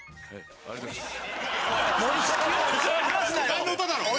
ありがとうございます。